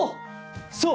そう。